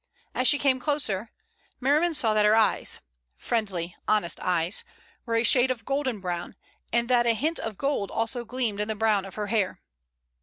As she came closer, Merriman saw that her eyes, friendly, honest eyes, were a shade of golden brown, and that a hint of gold also gleamed in the brown of her hair.